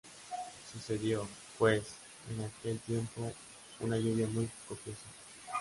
Sucedió, pues, en aquel tiempo, una lluvia muy copiosa.